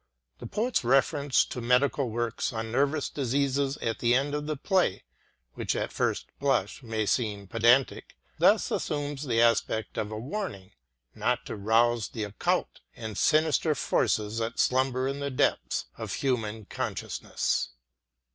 The poet's reference to medical works on nervous diseases at the end of the play, which, at first blush, may seem pedantic, thus assumes the aspect of a warning not to rouse the occult and sinister forces that slumber in the depths of human consciousness.